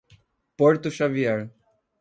Porto Xavier